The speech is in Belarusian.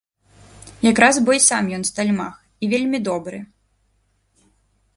Якраз бо і сам ён стальмах, і вельмі добры.